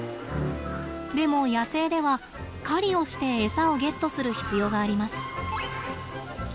でも野生では狩りをしてエサをゲットする必要があります。